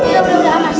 yaudah udah amat